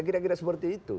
kira kira seperti itu